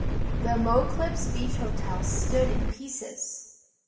The Moclips Beach Hotel stood in pieces.